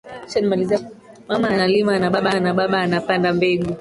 Mama analima na Baba anapanda mbegu.